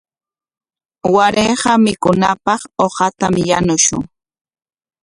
Warayqa mikunapaq uqatam yanushun.